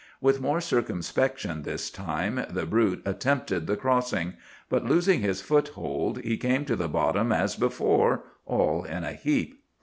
With more circumspection this time the brute attempted the crossing, but losing his foothold he came to the bottom, as before, all in a heap.